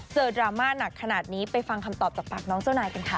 ดราม่าหนักขนาดนี้ไปฟังคำตอบจากปากน้องเจ้านายกันค่ะ